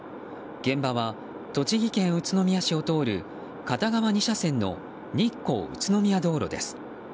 現場は、栃木県宇都宮市を通る片側２車線の日光宇都宮道路です。